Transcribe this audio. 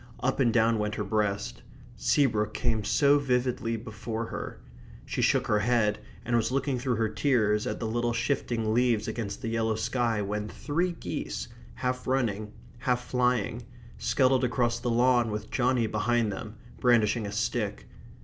Up and down went her breast. Seabrook came so vividly before her. She shook her head and was looking through her tears at the little shifting leaves against the yellow sky when three geese, half running, half flying, scuttled across the lawn with Johnny behind them, brandishing a stick.